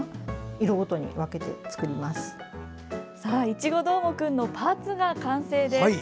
いちごどーもくんのパーツが完成です。